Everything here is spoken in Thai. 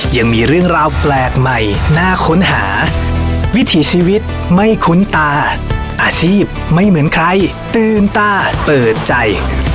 ยังมีเรื่องราวแปลกใหม่น่าค้นหาวิถีชีวิตไม่คุ้นตาอาชีพไม่เหมือนใครตื่นตาเปิดใจ